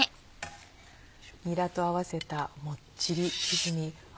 にらと合わせたもっちりチヂミ。